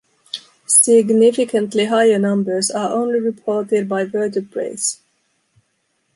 Significantly higher numbers are only reported by vertebrates.